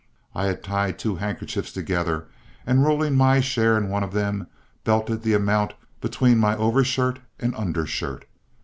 I had tied two handkerchiefs together, and rolling my share in one of them, belted the amount between my overshirt and undershirt.